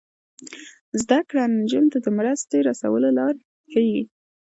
زده کړه نجونو ته د مرستې رسولو لارې ښيي.